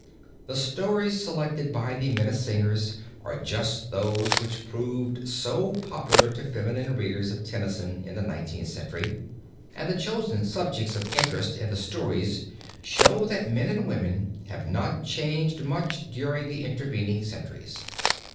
The stories selected by the Meistersingers are just those which proved so popular to feminine readers of Tennyson in the Nineteenth Century, and the chosen subjects of interest in the stories show that men and women have not changed much during the intervening centuries.